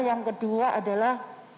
yang kedua adalah